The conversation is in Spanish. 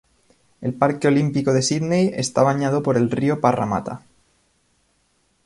El Parque Olímpico de Sídney está bañado por el río Parramatta.